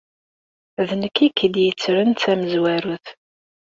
D nekk ay k-id-yettren d tamezwarut.